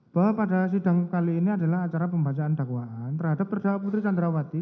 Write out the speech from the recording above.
bahwa pada sidang kali ini adalah acara pembacaan dakwaan terhadap terdakwa putri candrawati